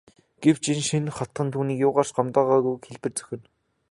Гэвч энэ шинэ хотхон түүнийг юугаар ч гомдоогоогүйг хэлбэл зохино.